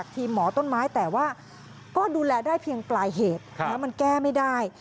แต่ได้เพียงปลายเหตุมันแก้ไม่ได้